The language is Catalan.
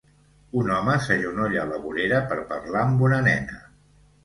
Un home s'agenolla a la vorera per parlar amb una nena.